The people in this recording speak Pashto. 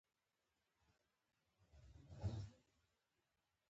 خوب د ماشوم روحیه لوړوي